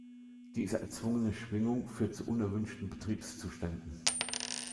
Diese erzwungene Schwingung führt zu unerwünschten Betriebszuständen.